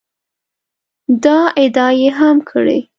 دا ادعا یې هم کړې